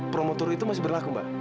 promo tour itu masih berlaku mbak